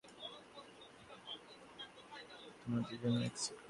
তোমরা দুজনই এক সেট করে রাখতে পারবে।